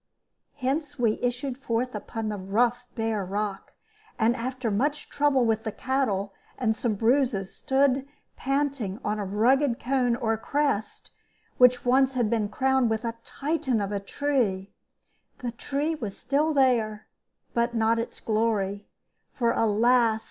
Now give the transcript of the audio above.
Hence we issued forth upon the rough bare rock, and after much trouble with the cattle, and some bruises, stood panting on a rugged cone, or crest, which had once been crowned with a Titan of a tree. The tree was still there, but not its glory; for, alas!